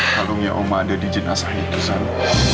kalungnya oma ada di jenazah itu zalo